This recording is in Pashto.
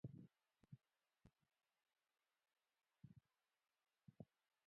د سکرو د کارونې کمښت چاپېریال ته ګټه رسوي.